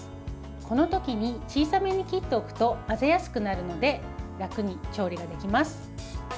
この時に小さめに切っておくと混ぜやすくなるので楽に調理ができます。